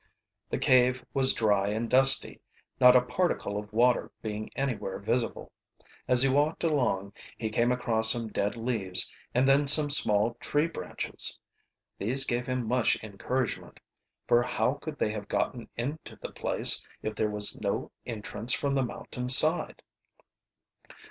The cave was dry and dusty, not a particle of water being anywhere visible. As he walked along he came across some dead leaves and then some small tree branches. These gave him much encouragement, for how could they have gotten into the place if there was no entrance from the mountain side?